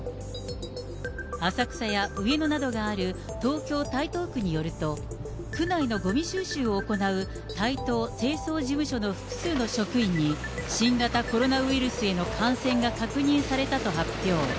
浅草や上野などがある東京・台東区によると、区内のごみ収集を行う台東清掃事務所の複数の職員に、新型コロナウイルスへの感染が確認されたと発表。